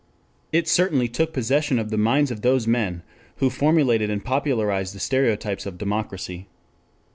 It certainly took possession of the minds of those men who formulated and popularized the stereotypes of democracy.